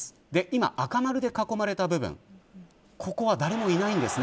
今、赤丸で囲まれた部分ここは誰もいないんです。